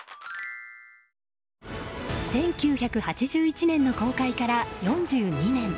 １９８１年の公開から４２年。